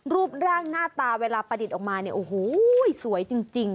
รูปร่างหน้าตาเวลาประดิษฐ์ออกมาสวยจริง